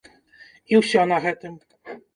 І ўсё на гэтым!